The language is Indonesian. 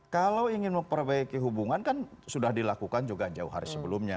kalau ingin memperbaiki hubungan kan sudah dilakukan juga jauh hari sebelumnya